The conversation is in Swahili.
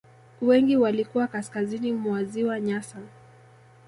Wengi walikuwa kaskazini mwa ziwa Nyasa